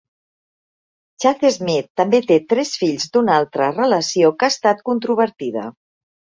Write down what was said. Chad Smith també té tres fills d'una altra relació, que ha estat controvertida.